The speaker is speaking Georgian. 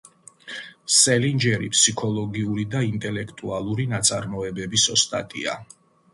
სელინჯერი ფსიქოლოგიური და ინტელექტუალური ნაწარმოებების ოსტატია.